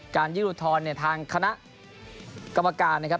ยื่นอุทธรณ์เนี่ยทางคณะกรรมการนะครับ